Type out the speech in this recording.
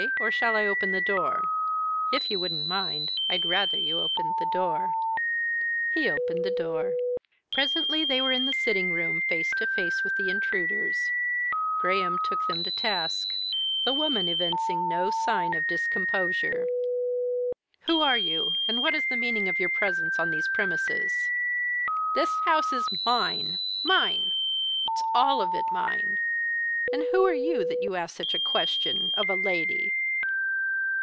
or shall I open the door?" "If you wouldn't mind, I'd rather you opened the door." He opened the door. Presently they were in the sitting room, face to face with the intruders. Graham took them to task the woman evincing no sign of discomposure. "Who are you, and what is the meaning of your presence on these premises?" "This house is mine mine! It's all of it mine! And who are you, that you ask such a question of a lady?"